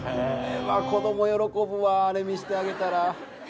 子供喜ぶわあれ見してあげたら。